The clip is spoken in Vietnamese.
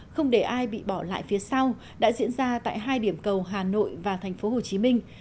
không để ai bị bỏ lại phía sau đã diễn ra tại hai điểm cầu hà nội và thành phố hồ chí minh